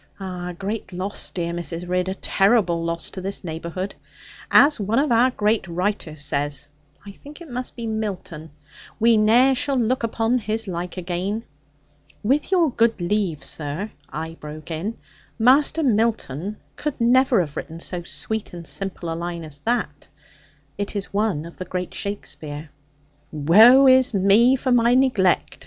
Ah, a great loss, dear Mrs. Ridd, a terrible loss to this neighbourhood! As one of our great writers says I think it must be Milton "We ne'er shall look upon his like again."' 'With your good leave sir,' I broke in, 'Master Milton could never have written so sweet and simple a line as that. It is one of the great Shakespeare.' 'Woe is me for my neglect!'